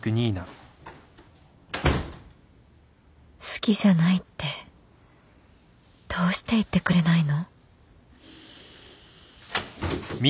好きじゃないってどうして言ってくれないの？